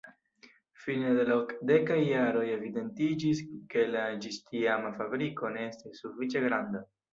Fine de la okdekaj jaroj, evidentiĝis ke la ĝistiama fabriko ne estis sufiĉe granda.